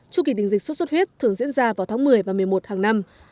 chung kỳ tình dịch xuất xuất huyết thường diễn ra vào tháng một mươi và một mươi một hàng năm